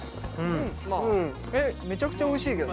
えっめちゃくちゃおいしいけどね。